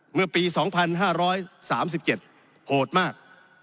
เมื่อปี๒๕๓๗โหดมาก